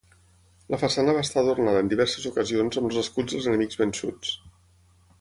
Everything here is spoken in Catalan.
La façana va estar adornada en diverses ocasions amb els escuts dels enemics vençuts.